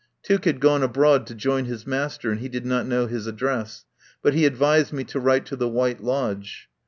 Tuke had gone abroad to join his master and he did not know his address. But he advised me to write to the White Lodge.